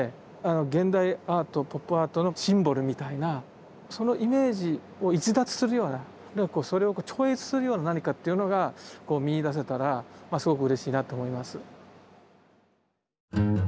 現代アートポップアートのシンボルみたいなそのイメージを逸脱するようなあるいはそれを超越するような何かっていうのが見いだせたらすごくうれしいなと思います。